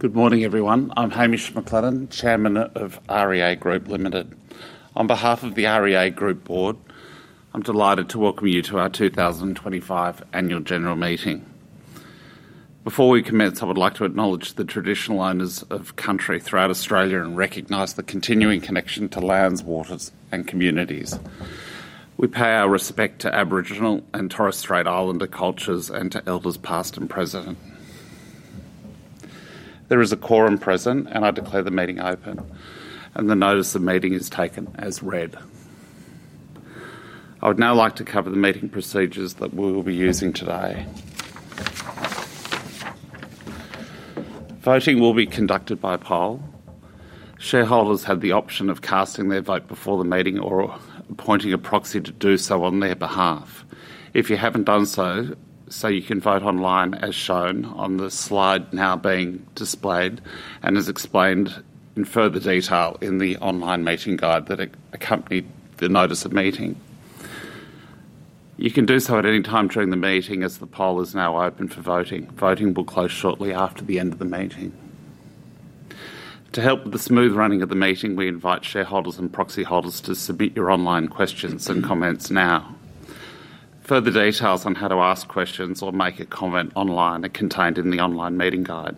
Good morning, everyone. I'm Hamish McLennan, Chairman of REA Group Ltd. On behalf of the REA Group Board, I'm delighted to welcome you to our 2025 Annual General Meeting. Before we commence, I would like to acknowledge the traditional owners of country throughout Australia and recognize the continuing connection to lands, waters, and communities. We pay our respect to Aboriginal and Torres Strait Islander cultures and to elders past and present. There is a quorum present, and I declare the meeting open. The notice of meeting is taken as read. I would now like to cover the meeting procedures that we will be using today. Voting will be conducted by poll. Shareholders have the option of casting their vote before the meeting or appointing a proxy to do so on their behalf. If you haven't done so, you can vote online as shown on the slide now being displayed and as explained in further detail in the online meeting guide that accompanied the notice of meeting. You can do so at any time during the meeting as the poll is now open for voting. Voting will close shortly after the end of the meeting. To help with the smooth running of the meeting, we invite shareholders and proxy holders to submit your online questions and comments now. Further details on how to ask questions or make a comment online are contained in the online meeting guide.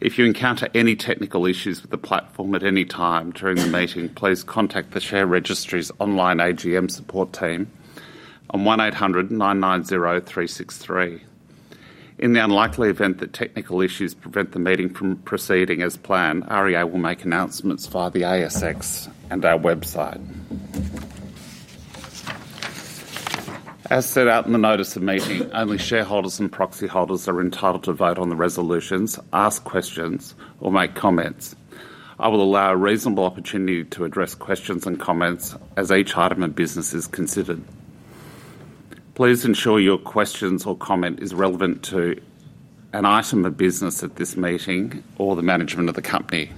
If you encounter any technical issues with the platform at any time during the meeting, please contact the Share Registry's online AGM support team on 1-800-990-363. In the unlikely event that technical issues prevent the meeting from proceeding as planned, REA will make announcements via the ASX and our website. As set out in the notice of meeting, only shareholders and proxy holders are entitled to vote on the resolutions, ask questions, or make comments. I will allow a reasonable opportunity to address questions and comments as each item of business is considered. Please ensure your questions or comment is relevant to an item of business at this meeting or the management of the company.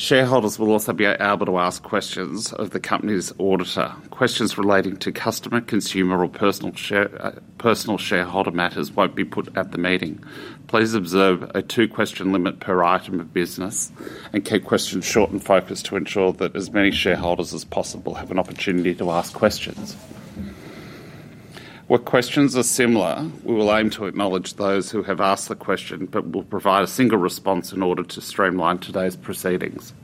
Shareholders will also be able to ask questions of the company's auditor. Questions relating to customer, consumer, or personal shareholder matters won't be put at the meeting. Please observe a two-question limit per item of business and keep questions short and focused to ensure that as many shareholders as possible have an opportunity to ask questions. Where questions are similar, we will aim to acknowledge those who have asked the question, but we'll provide a single response in order to streamline today's proceedings.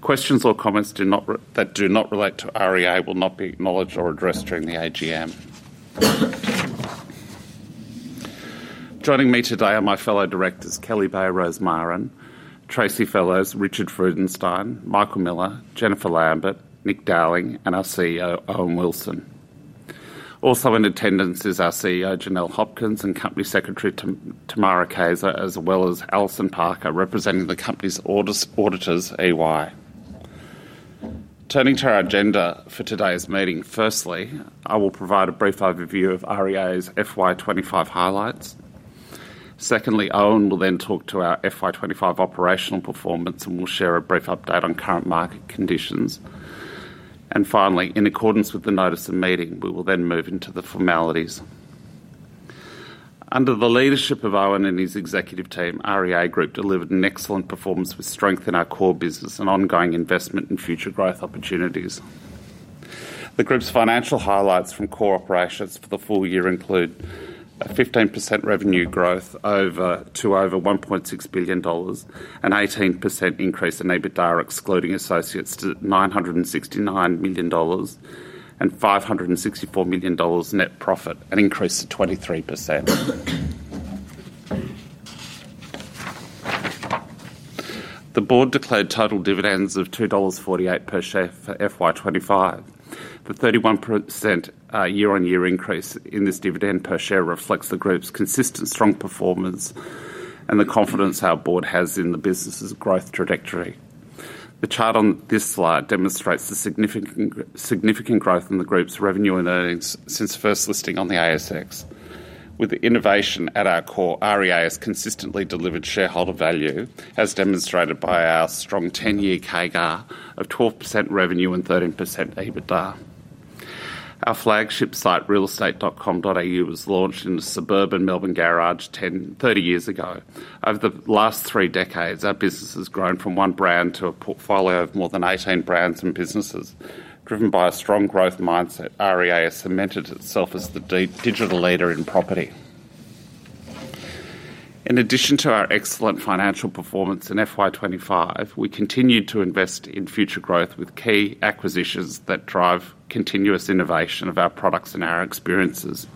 Questions or comments that do not relate to REA will not be acknowledged or addressed during the AGM. Joining me today are my fellow directors, Kelly Bayer Rosmarin, Tracey Fellows, Richard Freudenstein, Michael Miller, Jennifer Lambert, Nick Dowling, and our CEO, Owen Wilson. Also in attendance is our CFO, Janelle Hopkins, and Company Secretary, Tamara Kayser, as well as Alison Parker, representing the company's auditors, EY. Turning to our agenda for today's meeting, firstly, I will provide a brief overview of REA's FY 2025 highlights. Secondly, Owen will then talk to our FY 2025 operational performance and will share a brief update on current market conditions. Finally, in accordance with the notice of meeting, we will then move into the formalities. Under the leadership of Owen and his executive team, REA Group delivered an excellent performance with strength in our core business and ongoing investment in future growth opportunities. The group's financial highlights from core operations for the full year include a 15% revenue growth to over 1.6 billion dollars, an 18% increase in EBITDA, excluding associates to 969 million dollars, and 564 million dollars net profit, an increase to 23%. The board declared total dividends of 2.48 dollars per share for FY 2025. The 31% year-on-year increase in this dividend per share reflects the group's consistent strong performance and the confidence our board has in the business's growth trajectory. The chart on this slide demonstrates the significant growth in the group's revenue and earnings since first listing on the ASX. With innovation at our core, REA has consistently delivered shareholder value, as demonstrated by our strong 10-year CAGR of 12% revenue and 13% EBITDA. Our flagship site, realestate.com.au, was launched in a suburban Melbourne garage 30 years ago. Over the last three decades, our business has grown from one brand to a portfolio of more than 18 brands and businesses. Driven by a strong growth mindset, REA has cemented itself as the digital leader in property. In addition to our excellent financial performance in FY 2025, we continue to invest in future growth with key acquisitions that drive continuous innovation of our products and our experiences.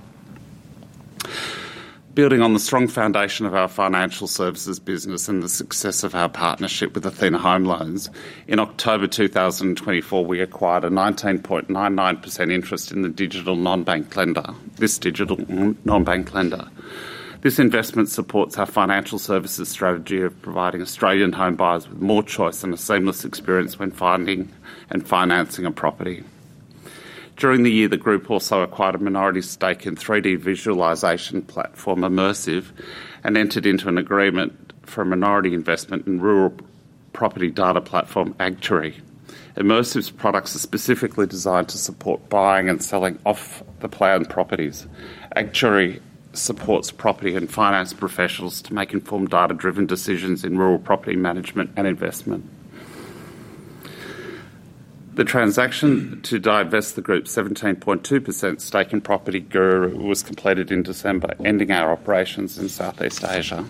Building on the strong foundation of our financial services business and the success of our partnership with Athena Home Loans, in October 2024, we acquired a 19.99% interest in the digital non-bank lender. This investment supports our financial services strategy of providing Australian home buyers with more choice and a seamless experience when finding and financing a property. During the year, the group also acquired a minority stake in 3D visualization platform, IMMERSIV, and entered into an agreement for a minority investment in rural property data platform, Agtuary. IMMERSIV's products are specifically designed to support buying and selling off-the-plan properties. Agtuary supports property and finance professionals to make informed data-driven decisions in rural property management and investment. The transaction to divest the group's 17.2% stake in PropertyGuru was completed in December, ending our operations in Southeast Asia.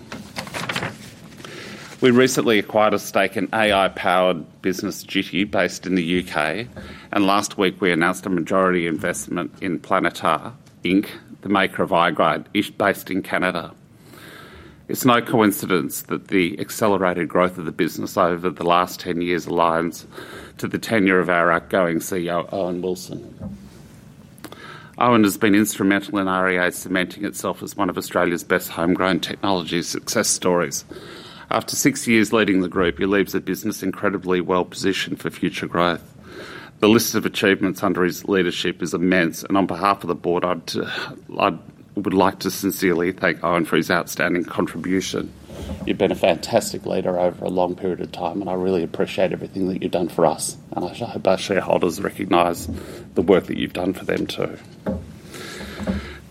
We recently acquired a stake in AI-powered business, Jitty, based in the U.K., and last week we announced a majority investment in Planitar Inc, the maker of iGUIDE based in Canada. It's no coincidence that the accelerated growth of the business over the last 10 years aligns to the tenure of our outgoing CEO, Owen Wilson. Owen has been instrumental in REA cementing itself as one of Australia's best homegrown technology success stories. After six years leading the group, he leaves a business incredibly well positioned for future growth. The list of achievements under his leadership is immense, and on behalf of the board, I would like to sincerely thank Owen for his outstanding contribution. You've been a fantastic leader over a long period of time, and I really appreciate everything that you've done for us, and I hope our shareholders recognize the work that you've done for them too.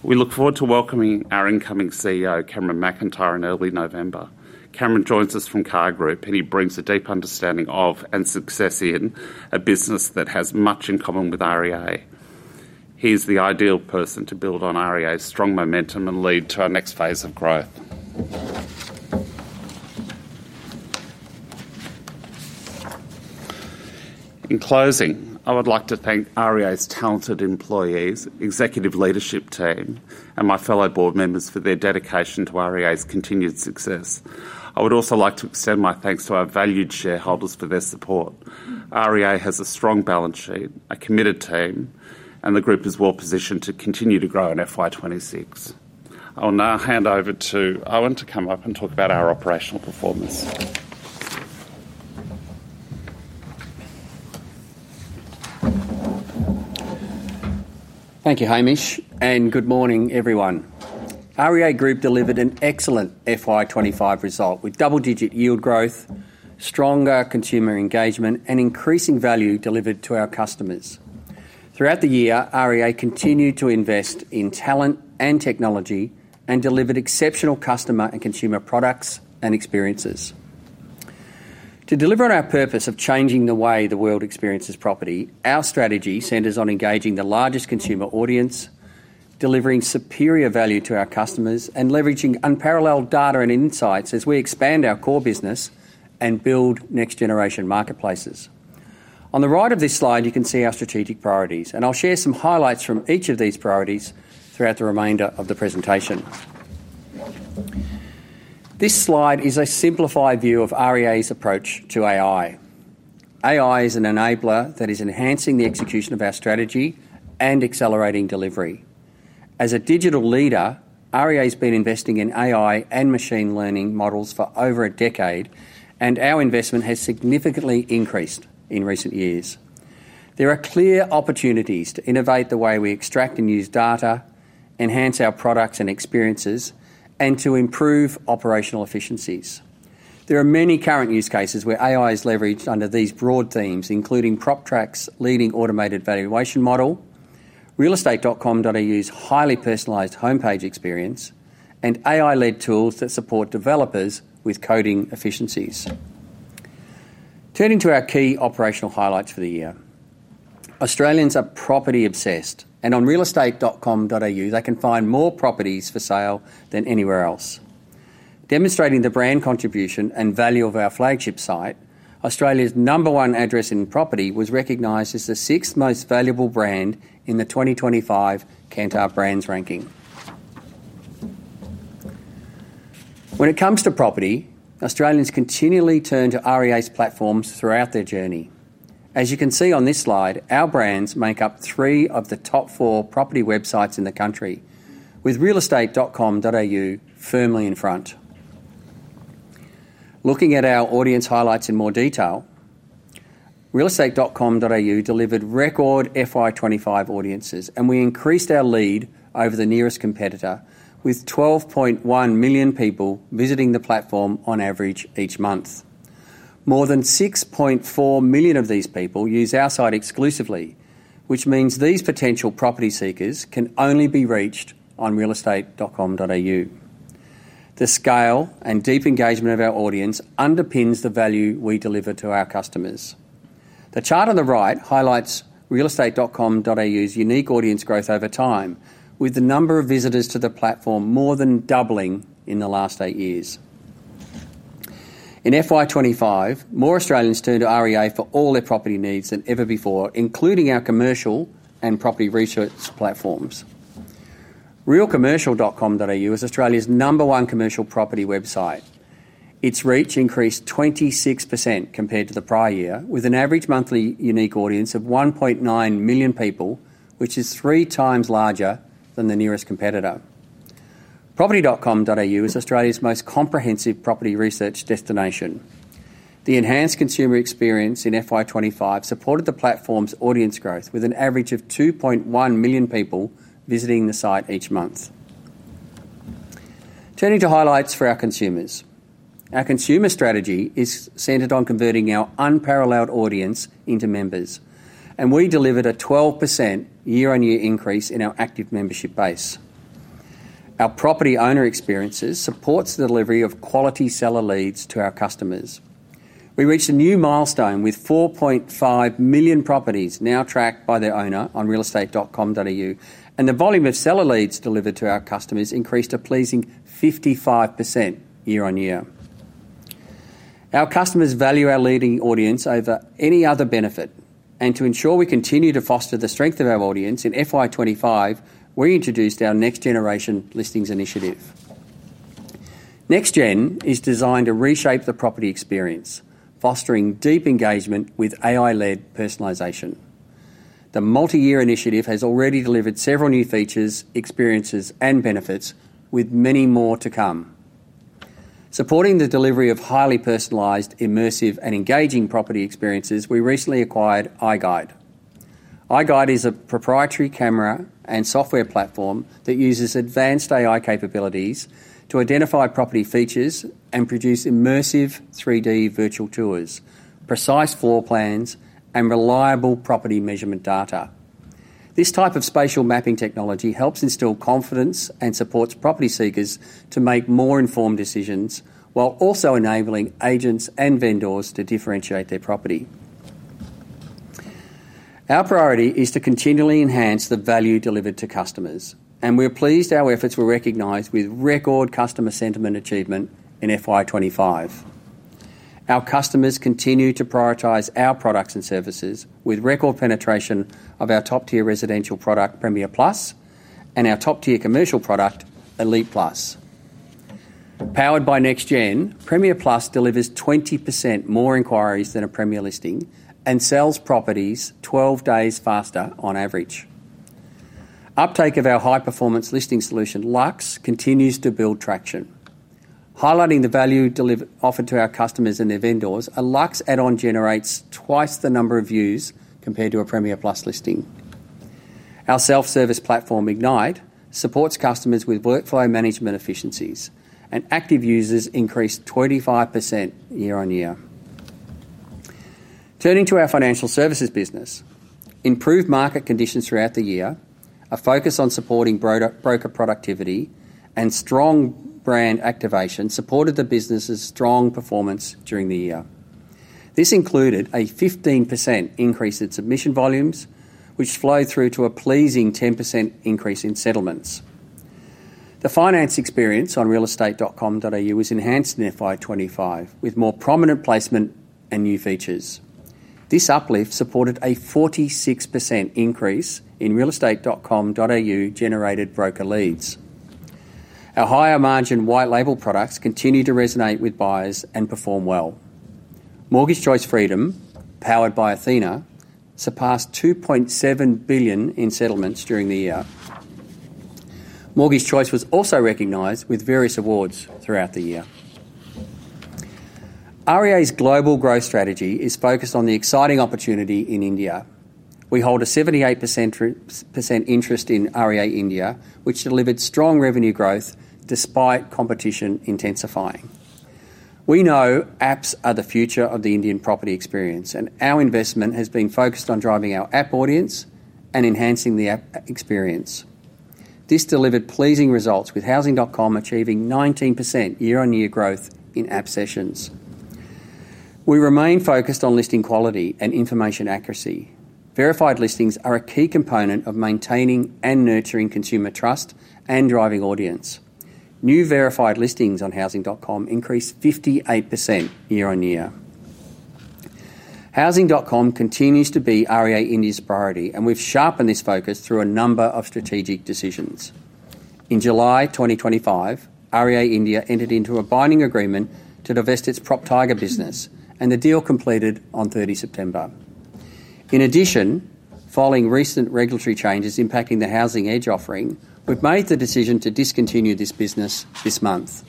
We look forward to welcoming our incoming CEO, Cameron McIntyre, in early November. Cameron joins us from CAR Group, and he brings a deep understanding of and success in a business that has much in common with REA. He is the ideal person to build on REA's strong momentum and lead to our next phase of growth. In closing, I would like to thank REA's talented employees, executive leadership team, and my fellow board members for their dedication to REA's continued success. I would also like to extend my thanks to our valued shareholders for their support. REA has a strong balance sheet, a committed team, and the group is well positioned to continue to grow in FY 2026. I will now hand over to Owen to come up and talk about our operational performance. Thank you, Hamish, and good morning, everyone. REA Group delivered an excellent FY 2025 result with double-digit yield growth, stronger consumer engagement, and increasing value delivered to our customers. Throughout the year, REA continued to invest in talent and technology and delivered exceptional customer and consumer products and experiences. To deliver on our purpose of changing the way the world experiences property, our strategy centers on engaging the largest consumer audience, delivering superior value to our customers, and leveraging unparalleled data and insights as we expand our core business and build next-generation marketplaces. On the right of this slide, you can see our strategic priorities, and I'll share some highlights from each of these priorities throughout the remainder of the presentation. This slide is a simplified view of REA's approach to AI. AI is an enabler that is enhancing the execution of our strategy and accelerating delivery. As a digital leader, REA has been investing in AI and machine learning models for over a decade, and our investment has significantly increased in recent years. There are clear opportunities to innovate the way we extract and use data, enhance our products and experiences, and to improve operational efficiencies. There are many current use cases where AI is leveraged under these broad themes, including PropTrack's leading automated valuation model, realestate.com.au's highly personalized homepage experience, and AI-led tools that support developers with coding efficiencies. Turning to our key operational highlights for the year, Australians are property-obsessed, and on realestate.com.au they can find more properties for sale than anywhere else. Demonstrating the brand contribution and value of our flagship site, Australia's number one address in property was recognized as the sixth most valuable brand in the 2025 Kantar BrandZ ranking. When it comes to property, Australians continually turn to REA's platforms throughout their journey. As you can see on this slide, our brands make up three of the top four property websites in the country, with realestate.com.au firmly in front. Looking at our audience highlights in more detail, realestate.com.au delivered record FY 2025 audiences, and we increased our lead over the nearest competitor, with 12.1 million people visiting the platform on average each month. More than 6.4 million of these people use our site exclusively, which means these potential property seekers can only be reached on realestate.com.au. The scale and deep engagement of our audience underpins the value we deliver to our customers. The chart on the right highlights realestate.com.au's unique audience growth over time, with the number of visitors to the platform more than doubling in the last eight years. In FY 2025, more Australians turn to REA for all their property needs than ever before, including our commercial and property research platforms. Realcommercial.com.au is Australia's number one commercial property website. Its reach increased 26% compared to the prior year, with an average monthly unique audience of 1.9 million people, which is three times larger than the nearest competitor. Property.com.au is Australia's most comprehensive property research destination. The enhanced consumer experience in FY 2025 supported the platform's audience growth, with an average of 2.1 million people visiting the site each month. Turning to highlights for our consumers, our consumer strategy is centered on converting our unparalleled audience into members, and we delivered a 12% year-on-year increase in our active membership base. Our property owner experiences support the delivery of quality seller leads to our customers. We reached a new milestone with 4.5 million properties now tracked by their owner on realestate.com.au, and the volume of seller leads delivered to our customers increased a pleasing 55% year-on-year. Our customers value our leading audience over any other benefit, and to ensure we continue to foster the strength of our audience in FY 2025, we introduced our next-generation listings initiative. NextGen is designed to reshape the property experience, fostering deep engagement with AI-led personalisation. The multi-year initiative has already delivered several new features, experiences, and benefits, with many more to come. Supporting the delivery of highly personalised, immersive, and engaging property experiences, we recently acquired iGUIDE. iGUIDE is a proprietary camera and software platform that uses advanced AI capabilities to identify property features and produce IMMERSIV 3D virtual tours, precise floor plans, and reliable property measurement data. This type of spatial mapping technology helps instill confidence and supports property seekers to make more informed decisions, while also enabling agents and vendors to differentiate their property. Our priority is to continually enhance the value delivered to customers, and we're pleased our efforts were recognized with record customer sentiment achievement in FY2025. Our customers continue to prioritize our products and services, with record penetration of our top-tier residential product, Premier+, and our top-tier commercial product, Elite Plus. Powered by NextGen, Premier+ delivers 20% more inquiries than a Premier listing and sells properties 12 days faster on average. Uptake of our high-performance listing solution, Luxe, continues to build traction. Highlighting the value offered to our customers and their vendors, a Luxe add-on generates twice the number of views compared to a Premier+ listing. Our self-service platform, Ignite, supports customers with workflow management efficiencies, and active users increased 25% year-on-year. Turning to our financial services business, improved market conditions throughout the year, a focus on supporting broker productivity, and strong brand activation supported the business's strong performance during the year. This included a 15% increase in submission volumes, which flowed through to a pleasing 10% increase in settlements. The finance experience on realestate.com.au was enhanced in FY 2025, with more prominent placement and new features. This uplift supported a 46% increase in realestate.com.au generated broker leads. Our higher margin white label products continue to resonate with buyers and perform well. Mortgage Choice Freedom, powered by Athena, surpassed 2.7 billion in settlements during the year. Mortgage Choice was also recognized with various awards throughout the year. REA's global growth strategy is focused on the exciting opportunity in India. We hold a 78% interest in REA India, which delivered strong revenue growth despite competition intensifying. We know apps are the future of the Indian property experience, and our investment has been focused on driving our app audience and enhancing the app experience. This delivered pleasing results, with Housing.com achieving 19% year-on-year growth in app sessions. We remain focused on listing quality and information accuracy. Verified listings are a key component of maintaining and nurturing consumer trust and driving audience. New verified listings on Housing.com increased 58% year-on-year. Housing.com continues to be REA India's priority, and we've sharpened this focus through a number of strategic decisions. In July 2025, REA India entered into a binding agreement to divest its PropTiger business, and the deal completed on 30 September. In addition, following recent regulatory changes impacting the Housing Edge offering, we've made the decision to discontinue this business this month.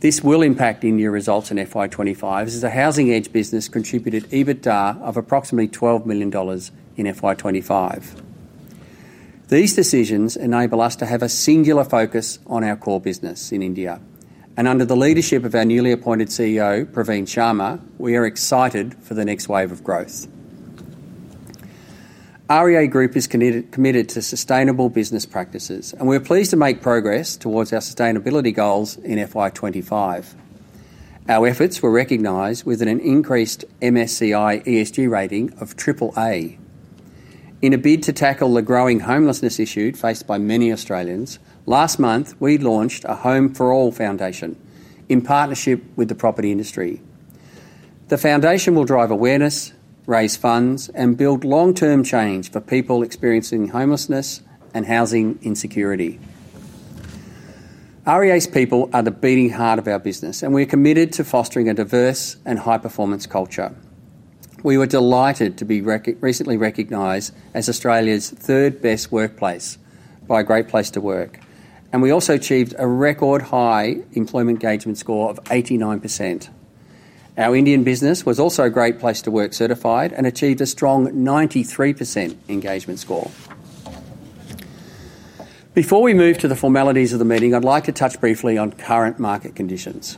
This will impact India results in [FY 2026], as the Housing Edge business contributed EBITDA of approximately 12 million dollars in FY 2025. These decisions enable us to have a singular focus on our core business in India, and under the leadership of our newly appointed CEO, Praveen Sharma, we are excited for the next wave of growth. REA Group is committed to sustainable business practices, and we're pleased to make progress towards our sustainability goals in FY 2025. Our efforts were recognized with an increased MSCI ESG rating of AAA. In a bid to tackle the growing homelessness issue faced by many Australians, last month we launched A Home For All Foundation in partnership with the property industry. The foundation will drive awareness, raise funds, and build long-term change for people experiencing homelessness and housing insecurity. REA's people are the beating heart of our business, and we're committed to fostering a diverse and high-performance culture. We were delighted to be recently recognized as Australia's third best workplace by Great Place to Work, and we also achieved a record high employment engagement score of 89%. Our Indian business was also Great Place to Work certified and achieved a strong 93% engagement score. Before we move to the formalities of the meeting, I'd like to touch briefly on current market conditions.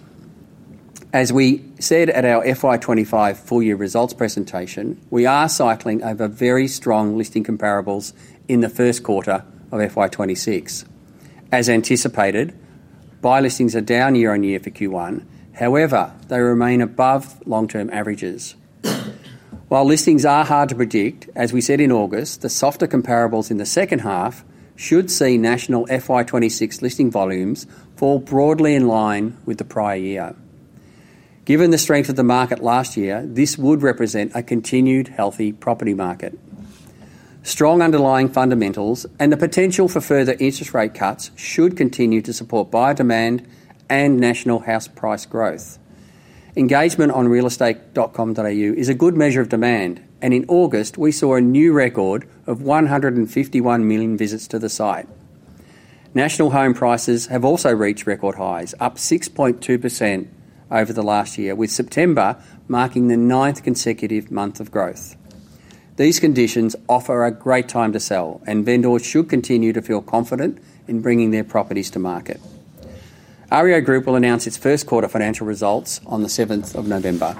As we said at our FY 2025 full-year results presentation, we are cycling over very strong listing comparables in the first quarter of FY 2026. As anticipated, buy listings are down year-on-year for Q1, however, they remain above long-term averages. While listings are hard to predict, as we said in August, the softer comparables in the second half should see national FY 2026 listing volumes fall broadly in line with the prior year. Given the strength of the market last year, this would represent a continued healthy property market. Strong underlying fundamentals and the potential for further interest rate cuts should continue to support buyer demand and national house price growth. Engagement on realestate.com.au is a good measure of demand, and in August we saw a new record of 151 million visits to the site. National home prices have also reached record highs, up 6.2% over the last year, with September marking the ninth consecutive month of growth. These conditions offer a great time to sell, and vendors should continue to feel confident in bringing their properties to market. REA Group will announce its first quarter financial results on 7th of November.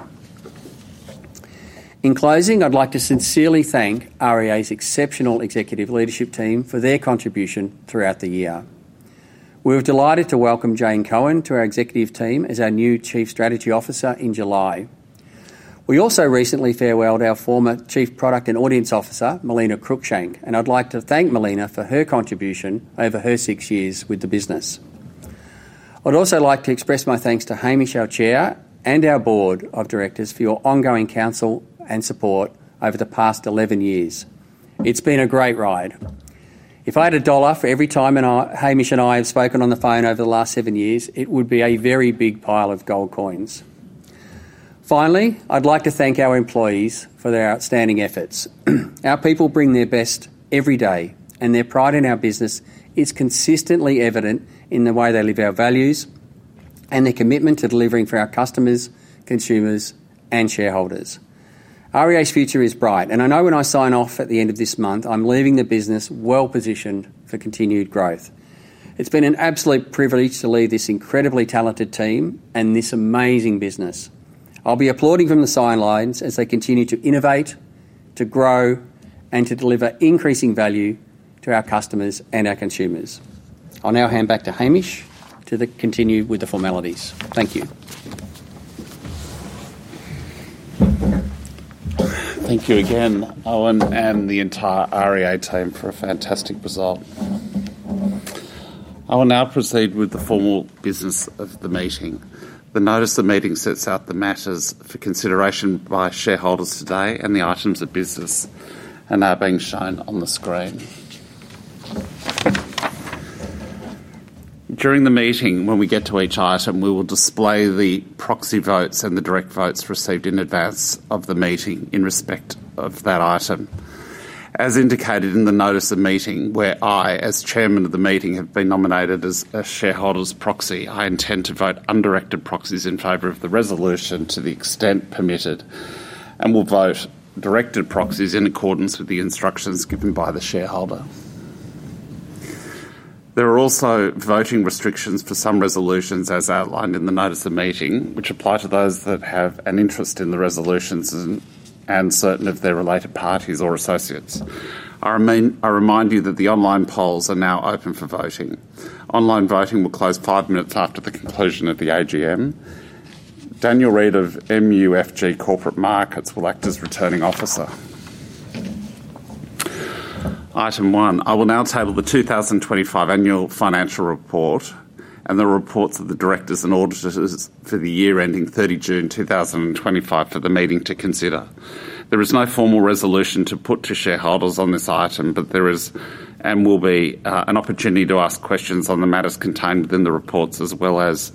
In closing, I'd like to sincerely thank REA's exceptional executive leadership team for their contribution throughout the year. We're delighted to welcome Jane Cohen to our executive team as our new Chief Strategy Officer in July. We also recently farewelled our former Chief Product and Audience Officer, Melina Cruickshank, and I'd like to thank Melina for her contribution over her six years with the business. I'd also like to express my thanks to Hamish, our Chair, and our Board of Directors for your ongoing counsel and support over the past 11 years. It's been a great ride. If I had a dollar for every time Hamish and I have spoken on the phone over the last seven years, it would be a very big pile of gold coins. Finally, I'd like to thank our employees for their outstanding efforts. Our people bring their best every day, and their pride in our business is consistently evident in the way they live our values and their commitment to delivering for our customers, consumers, and shareholders. REA's future is bright, and I know when I sign off at the end of this month, I'm leaving the business well positioned for continued growth. It's been an absolute privilege to lead this incredibly talented team and this amazing business. I'll be applauding from the sidelines as they continue to innovate, to grow, and to deliver increasing value to our customers and our consumers. I'll now hand back to Hamish to continue with the formalities. Thank you. Thank you again, Owen, and the entire REA team for a fantastic result. I will now proceed with the formal business of the meeting. The notice of meeting sets out the matters for consideration by shareholders today, and the items of business are now being shown on the screen. During the meeting, when we get to each item, we will display the proxy votes and the direct votes received in advance of the meeting in respect of that item. As indicated in the notice of meeting, where I, as Chairman of the meeting, have been nominated as a shareholder's proxy, I intend to vote undirected proxies in favor of the resolution to the extent permitted, and will vote directed proxies in accordance with the instructions given by the shareholder. There are also voting restrictions for some resolutions as outlined in the notice of meeting, which apply to those that have an interest in the resolutions and are uncertain of their related parties or associates. I remind you that the online polls are now open for voting. Online voting will close five minutes after the conclusion of the AGM. Daniel Reid of MUFG Corporate Markets will act as returning officer. Item one, I will now table the 2025 annual financial report and the reports of the directors and auditors for the year ending 30 June 2025 for the meeting to consider. There is no formal resolution to put to shareholders on this item, but there is and will be an opportunity to ask questions on the matters contained within the reports, as well as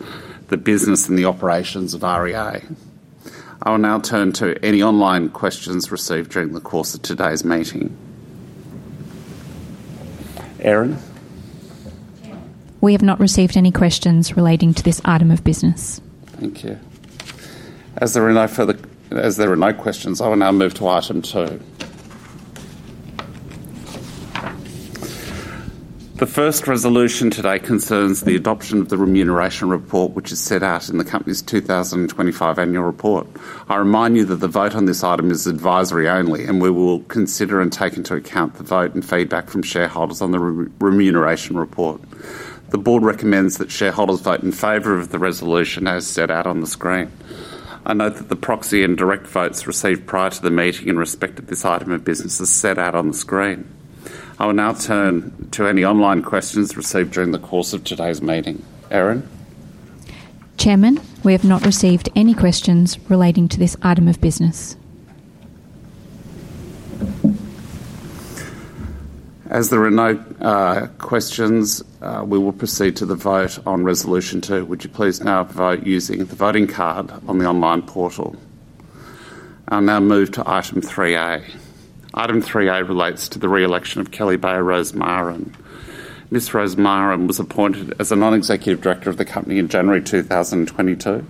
the business and the operations of REA. I will now turn to any online questions received during the course of today's meeting. Erin? We have not received any questions relating to this item of business. As there are no questions, I will now move to item two. The first resolution today concerns the adoption of the remuneration report, which is set out in the company's 2025 annual report. I remind you that the vote on this item is advisory only, and we will consider and take into account the vote and feedback from shareholders on the remuneration report. The board recommends that shareholders vote in favor of the resolution as set out on the screen. I note that the proxy and direct votes received prior to the meeting in respect of this item of business are set out on the screen. I will now turn to any online questions received during the course of today's meeting. Erin? Chairman, we have not received any questions relating to this item of business. As there are no questions, we will proceed to the vote on resolution two. Would you please now vote using the voting card on the online portal? I'll now move to item three A. Item three A relates to the reelection of Kelly Bayer Rosmarin. Ms. Rosmarin was appointed as a Non-Executive Director of the company in January 2022.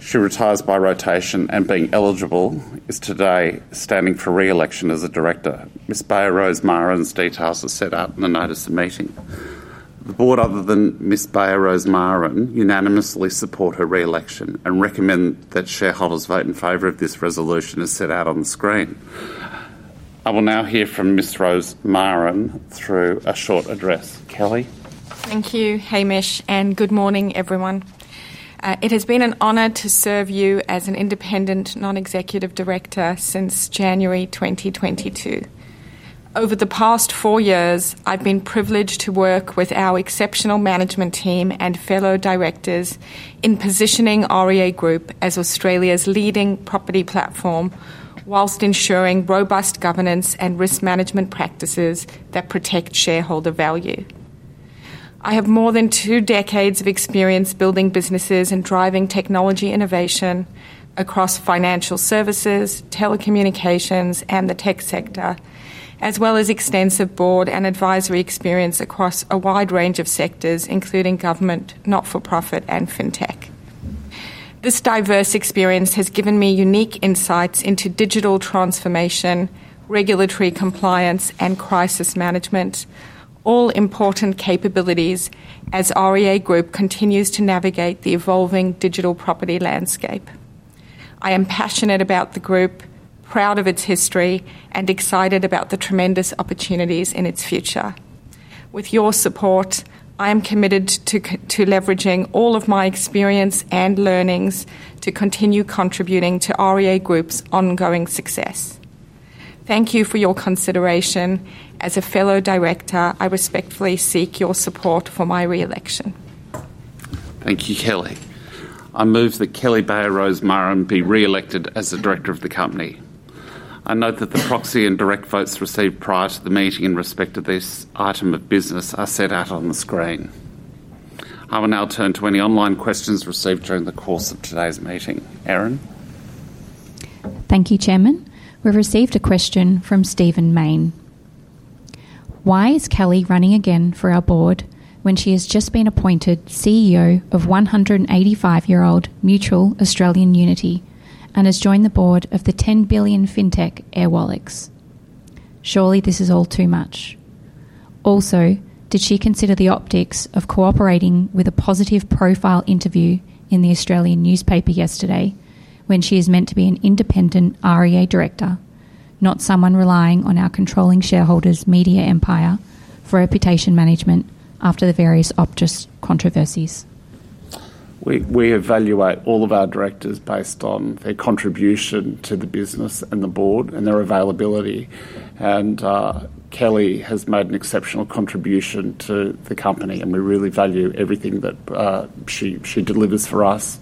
She retires by rotation and, being eligible, is today standing for reelection as a Director. Ms. Bayer Rosmarin's details are set out in the notice of meeting. The Board, other than Ms. Bayer Rosmarin, unanimously supports her reelection and recommends that shareholders vote in favor of this resolution as set out on the screen. I will now hear from Ms. Rosmarin through a short address. Kelly? Thank you, Hamish, and good morning, everyone. It has been an honor to serve you as an Independent Non-Executive Director since January 2022. Over the past four years, I've been privileged to work with our exceptional management team and fellow directors in positioning REA Group as Australia's leading property platform, while ensuring robust governance and risk management practices that protect shareholder value. I have more than two decades of experience building businesses and driving technology innovation across financial services, telecommunications, and the tech sector, as well as extensive board and advisory experience across a wide range of sectors, including government, not-for-profit, and fintech. This diverse experience has given me unique insights into digital transformation, regulatory compliance, and crisis management, all important capabilities as REA Group continues to navigate the evolving digital property landscape. I am passionate about the group, proud of its history, and excited about the tremendous opportunities in its future. With your support, I am committed to leveraging all of my experience and learnings to continue contributing to REA Group's ongoing success. Thank you for your consideration. As a fellow director, I respectfully seek your support for my reelection. Thank you, Kelly. I move that Kelly Bayer Rosmarin be reelected as the Director of the company. I note that the proxy and direct votes received prior to the meeting in respect of this item of business are set out on the screen. I will now turn to any online questions received during the course of today's meeting. Erin? Thank you, Chairman. We've received a question from Stephen Mayne. Why is Kelly running again for our board when she has just been appointed CEO of 185-year-old mutual Australian Unity and has joined the board of the 10 billion fintech Airwallex? Surely this is all too much. Also, did she consider the optics of cooperating with a positive profile interview in The Australian newspaper yesterday when she is meant to be an independent REA director, not someone relying on our controlling shareholders' media empire for reputation management after the various Optus controversies? We evaluate all of our directors based on their contribution to the business and the Board and their availability. Kelly has made an exceptional contribution to the company, and we really value everything that she delivers for us.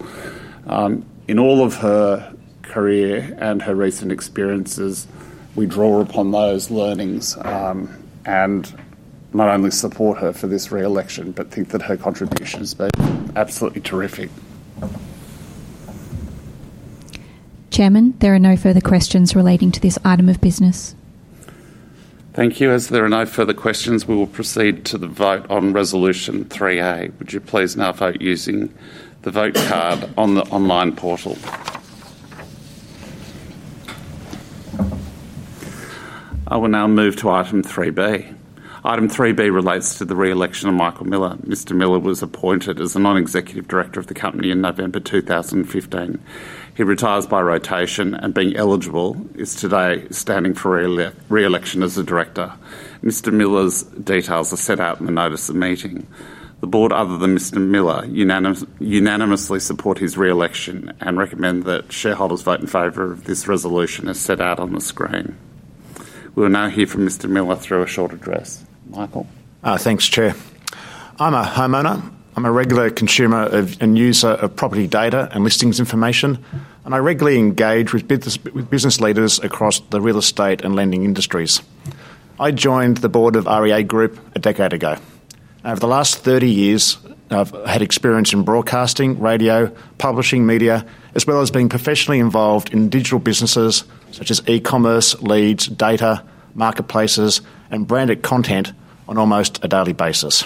In all of her career and her recent experiences, we draw upon those learnings and not only support her for this reelection, but think that her contributions are absolutely terrific. Chairman, there are no further questions relating to this item of business. Thank you. As there are no further questions, we will proceed to the vote on resolution three A. Would you please now vote using the vote card on the online portal? I will now move to item three B. Item three B relates to the reelection of Michael Miller. Mr. Miller was appointed as a Non-Executive Director of the company in November 2015. He retires by rotation and, being eligible, is today standing for reelection as a Director. Mr. Miller's details are set out in the notice of meeting. The Board, other than Mr. Miller, unanimously supports his reelection and recommends that shareholders vote in favor of this resolution as set out on the screen. We will now hear from Mr. Miller through a short address. Michael? Thanks, Chair. I'm a homeowner. I'm a regular consumer and user of property data and listings information, and I regularly engage with business leaders across the real estate and lending industries. I joined the board of REA Group a decade ago. Over the last 30 years, I've had experience in broadcasting, radio, publishing media, as well as being professionally involved in digital businesses such as e-commerce, leads, data, marketplaces, and branded content on almost a daily basis.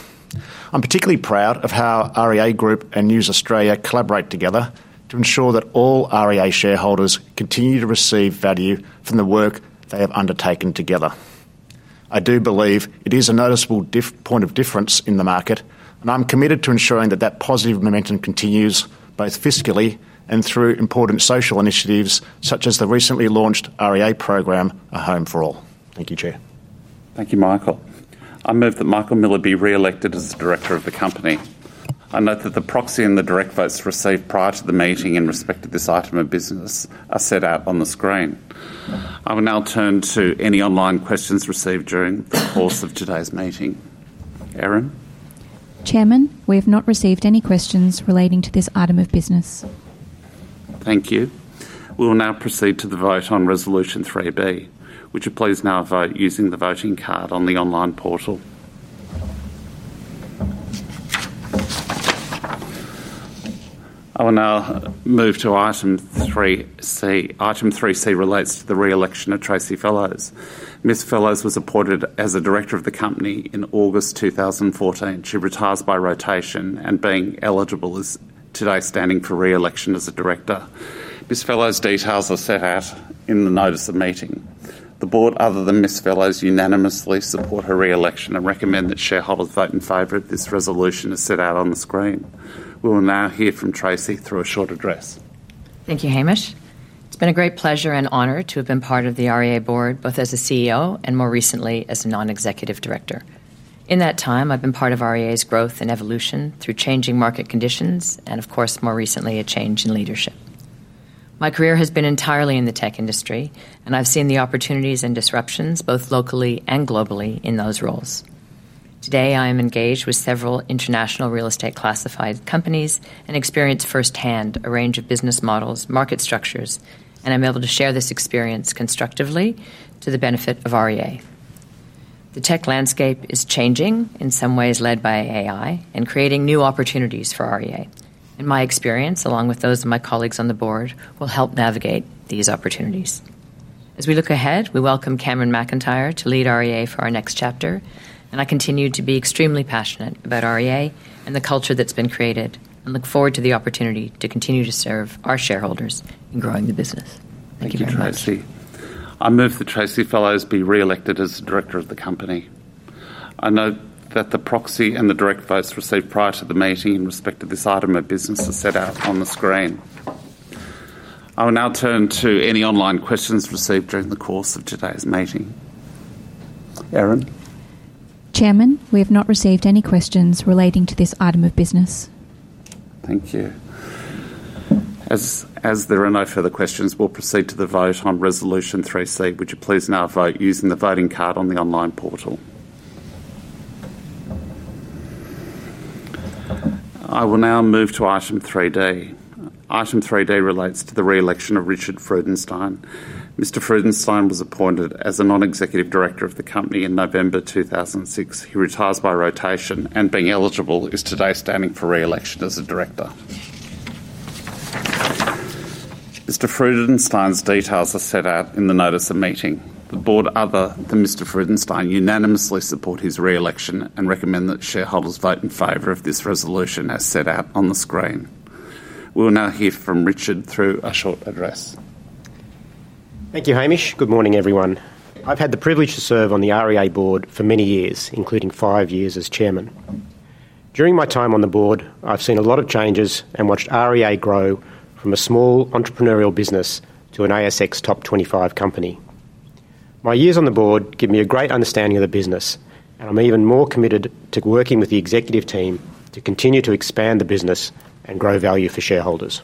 I'm particularly proud of how REA Group and News Australia collaborate together to ensure that all REA shareholders continue to receive value from the work they have undertaken together. I do believe it is a noticeable point of difference in the market, and I'm committed to ensuring that that positive momentum continues both fiscally and through important social initiatives such as the recently launched REA program, A Home For All. Thank you, Chair. Thank you, Michael. I move that Michael Miller be reelected as Director of the company. I note that the proxy and the direct votes received prior to the meeting in respect of this item of business are set out on the screen. I will now turn to any online questions received during the course of today's meeting. Erin? Chairman, we have not received any questions relating to this item of business. Thank you. We will now proceed to the vote on resolution three B. Would you please now vote using the voting card on the online portal? I will now move to item three C. Item three C relates to the reelection of Tracey Fellows. Ms. Fellows was appointed as a Director of the company in August 2014. She retires by rotation and, being eligible, is today standing for reelection as a Director. Ms. Fellows' details are set out in the notice of meeting. The Board, other than Ms. Fellows, unanimously supports her reelection and recommends that shareholders vote in favor of this resolution as set out on the screen. We will now hear from Tracey through a short address. Thank you, Hamish. It's been a great pleasure and honor to have been part of the REA Board, both as a CEO and more recently as a Non-Executive Director. In that time, I've been part of REA's growth and evolution through changing market conditions and, of course, more recently, a change in leadership. My career has been entirely in the tech industry, and I've seen the opportunities and disruptions, both locally and globally, in those roles. Today, I am engaged with several international real estate classified companies and experience firsthand a range of business models, market structures, and I'm able to share this experience constructively to the benefit of REA. The tech landscape is changing, in some ways led by AI, and creating new opportunities for REA. My experience, along with those of my colleagues on the Board, will help navigate these opportunities. As we look ahead, we welcome Cameron McIntyre to lead REA for our next chapter, and I continue to be extremely passionate about REA and the culture that's been created and look forward to the opportunity to continue to serve our shareholders in growing the business. Thank you, Tracey. I move that Tracey Fellows be reelected as Director of the company. I note that the proxy and the direct votes received prior to the meeting in respect of this item of business are set out on the screen. I will now turn to any online questions received during the course of today's meeting. Erin? Chairman, we have not received any questions relating to this item of business. Thank you. As there are no further questions, we'll proceed to the vote on resolution three C. Would you please now vote using the voting card on the online portal? I will now move to item three D. Item three D relates to the reelection of Richard Freudenstein. Mr. Freudenstein was appointed as a Non-Executive Director of the company in November 2006. He retires by rotation and, being eligible, is today standing for reelection as a Director. Mr. Freudenstein's details are set out in the notice of meeting. The Board, other than Mr. Freudenstein, unanimously supports his reelection and recommends that shareholders vote in favor of this resolution as set out on the screen. We will now hear from Richard through a short address. Thank you, Hamish. Good morning, everyone. I've had the privilege to serve on the REA Board for many years, including five years as Chairman. During my time on the board, I've seen a lot of changes and watched REA grow from a small entrepreneurial business to an ASX top 25 company. My years on the board give me a great understanding of the business, and I'm even more committed to working with the executive team to continue to expand the business and grow value for shareholders.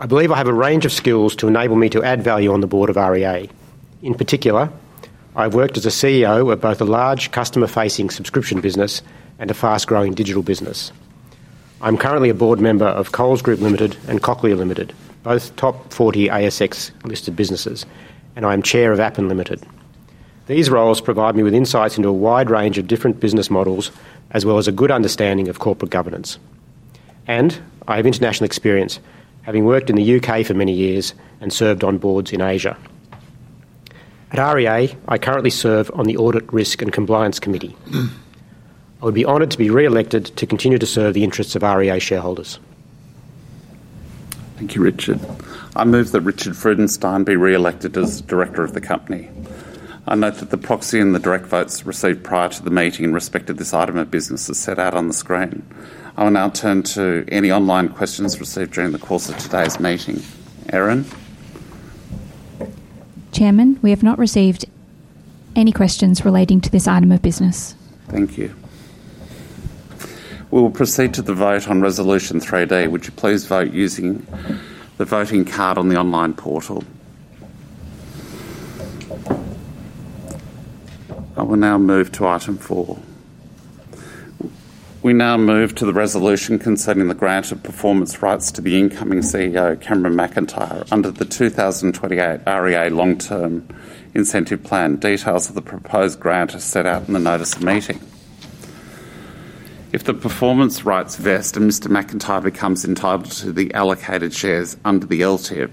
I believe I have a range of skills to enable me to add value on the board of REA. In particular, I've worked as a CEO of both a large customer-facing subscription business and a fast-growing digital business. I'm currently a board member of Coles Group Ltd and Cochlear Ltd, both top 40 ASX listed businesses, and I am Chair of Appen Ltd. These roles provide me with insights into a wide range of different business models, as well as a good understanding of corporate governance. I have international experience, having worked in the U.K. for many years and served on boards in Asia. At REA, I currently serve on the Audit, Risk and Compliance Committee. I would be honored to be reelected to continue to serve the interests of REA shareholders. Thank you, Richard. I move that Richard Freudenstein be reelected as Director of the company. I note that the proxy and the direct votes received prior to the meeting in respect of this item of business are set out on the screen. I will now turn to any online questions received during the course of today's meeting. Erin? Chairman, we have not received any questions relating to this item of business. Thank you. We will proceed to the vote on resolution three D. Would you please vote using the voting card on the online portal? I will now move to item four. We now move to the resolution concerning the grant of performance rights to the incoming CEO, Cameron McIntyre, under the 2028 REA long-term incentive plan. Details of the proposed grant are set out in the notice of meeting. If the performance rights vest and Mr. McIntyre becomes entitled to the allocated shares under the LTIP,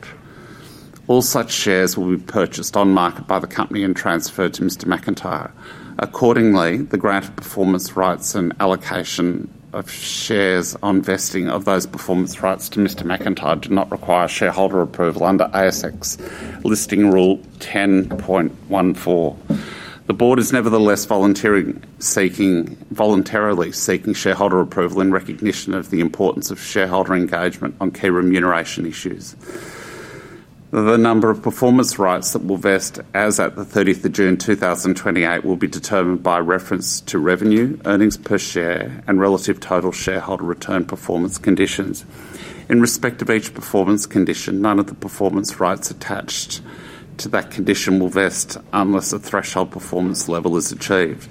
all such shares will be purchased on market by the company and transferred to Mr. McIntyre. Accordingly, the grant of performance rights and allocation of shares on vesting of those performance rights to Mr. McIntyre do not require shareholder approval under ASX Listing Rule 10.14. The board is nevertheless voluntarily seeking shareholder approval in recognition of the importance of shareholder engagement on key remuneration issues. The number of performance rights that will vest as at 30th of June 2028 will be determined by reference to revenue, earnings per share, and relative total shareholder return performance conditions. In respect of each performance condition, none of the performance rights attached to that condition will vest unless a threshold performance level is achieved.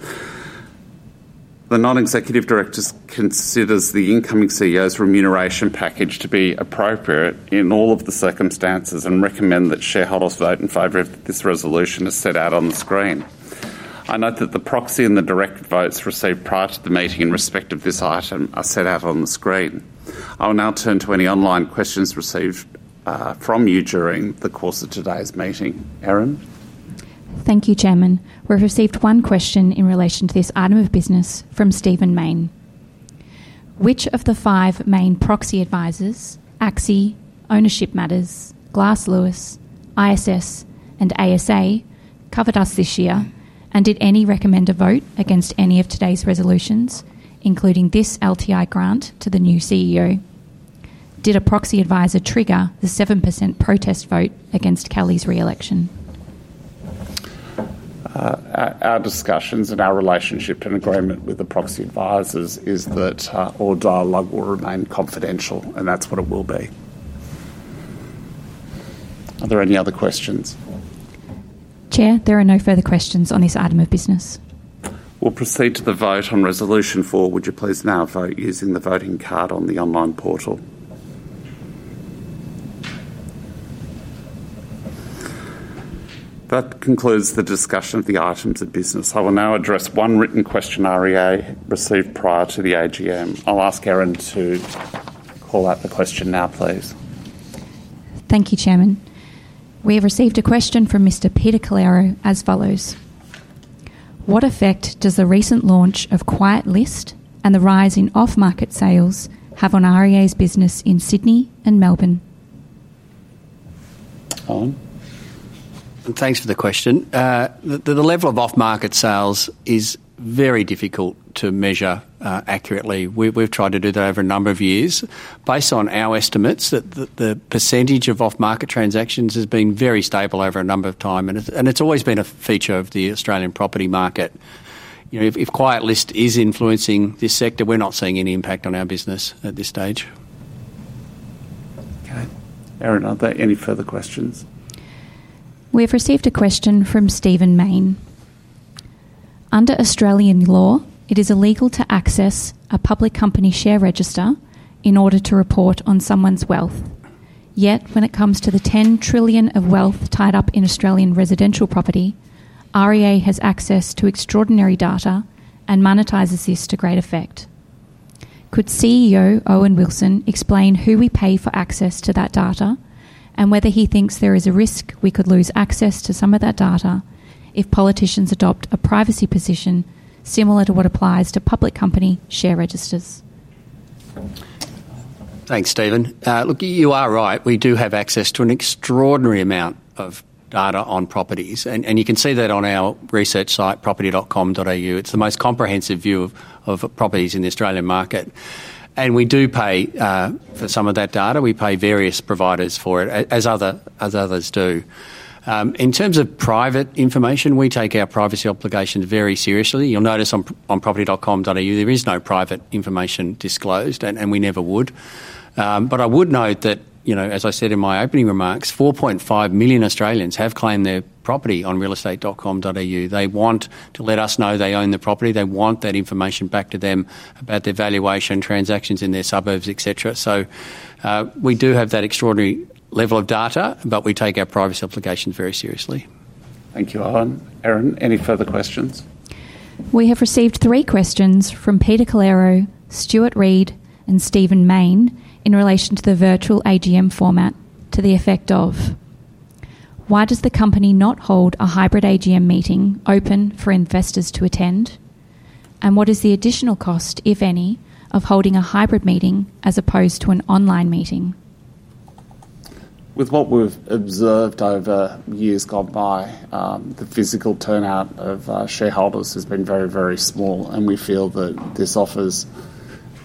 The Non-Executive Directors considers the incoming CEO's remuneration package to be appropriate in all of the circumstances and recommends that shareholders vote in favor of this resolution as set out on the screen. I note that the proxy and the direct votes received prior to the meeting in respect of this item are set out on the screen. I will now turn to any online questions received from you during the course of today's meeting. Erin? Thank you, Chairman. We've received one question in relation to this item of business from Stephen Mayne. Which of the five main proxy advisors, ACSI, Ownership Matters, Glass Lewis, ISS, and ASA, covered us this year, and did any recommend a vote against any of today's resolutions, including this LTI grant to the new CEO? Did a proxy advisor trigger the 7% protest vote against Kelly's reelection? Our discussions and our relationship and agreement with the proxy advisors is that our dialogue will remain confidential, and that's what it will be. Are there any other questions? Chair, there are no further questions on this item of business. We'll proceed to the vote on resolution four. Would you please now vote using the voting card on the online portal? That concludes the discussion of the items of business. I will now address one written question REA received prior to the AGM. I'll ask Erin to call out the question now, please. Thank you, Chairman. We have received a question from Mr. Peter Calliriero as follows. What effect does the recent launch of Quiet List and the rise in off-market sales have on REA's business in Sydney and Melbourne? Owen? Thanks for the question. The level of off-market sales is very difficult to measure accurately. We've tried to do that over a number of years. Based on our estimates, the percentage of off-market transactions has been very stable over a number of times, and it's always been a feature of the Australian property market. If Quiet List is influencing this sector, we're not seeing any impact on our business at this stage. Okay. Erin, are there any further questions? We've received a question from Stephen Mayne. Under Australian law, it is illegal to access a public company share register in order to report on someone's wealth. Yet, when it comes to the 10 trillion of wealth tied up in Australian residential property, REA has access to extraordinary data and monetizes this to great effect. Could CEO Owen Wilson explain who we pay for access to that data and whether he thinks there is a risk we could lose access to some of that data if politicians adopt a privacy position similar to what applies to public company share registers? Thanks, Stephen. Look, you are right. We do have access to an extraordinary amount of data on properties, and you can see that on our research site, property.com.au. It's the most comprehensive view of properties in the Australian market. We do pay for some of that data. We pay various providers for it, as others do. In terms of private information, we take our privacy obligations very seriously. You'll notice on property.com.au there is no private information disclosed, and we never would. I would note that, as I said in my opening remarks, 4.5 million Australians have claimed their property on realestate.com.au. They want to let us know they own the property. They want that information back to them about their valuation, transactions in their suburbs, etc. We do have that extraordinary level of data, but we take our privacy obligations very seriously. Thank you, Owen. Erin, any further questions? We have received three questions from Peter Calliriero, Stuart Reid, and Stephen Mayne in relation to the virtual AGM format to the effect of, why does the company not hold a hybrid AGM meeting open for investors to attend? What is the additional cost, if any, of holding a hybrid meeting as opposed to an online meeting? With what we've observed over years gone by, the physical turnout of shareholders has been very, very small, and we feel that this offers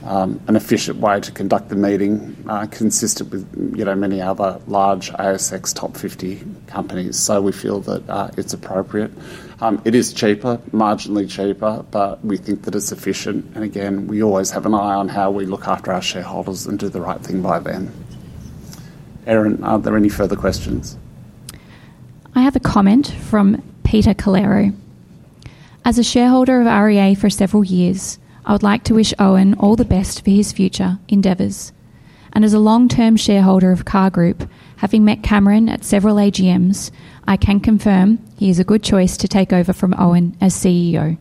an efficient way to conduct the meeting, consistent with, you know, many other large ASX top 50 companies. We feel that it's appropriate. It is cheaper, marginally cheaper, but we think that it's efficient. We always have an eye on how we look after our shareholders and do the right thing by them. Erin, are there any further questions? I have a comment from Peter Calliriero. As a shareholder of REA Group for several years, I would like to wish Owen all the best for his future endeavors. As a long-term shareholder of CAR Group, having met Cameron at several AGMs, I can confirm he is a good choice to take over from Owen as CEO.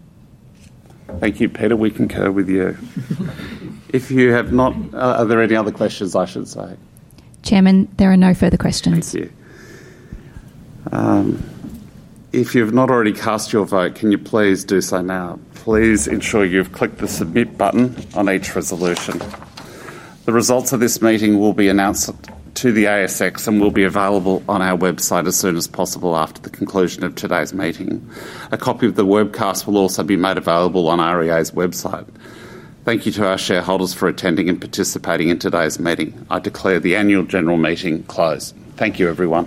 Thank you, Peter. We concur with you. If you have not, are there any other questions? Chairman, there are no further questions. Thank you. If you have not already cast your vote, can you please do so now? Please ensure you have clicked the submit button on each resolution. The results of this meeting will be announced to the ASX and will be available on our website as soon as possible after the conclusion of today's meeting. A copy of the webcast will also be made available on REA's website. Thank you to our shareholders for attending and participating in today's meeting. I declare the Annual General Meeting closed. Thank you, everyone.